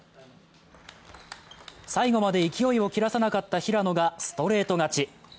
最後まで勢いを切らさなかった平野がストレート勝ち。